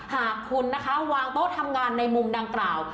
หากคุณนะคะวางโต๊ะทำงานในมุมดังกล่าว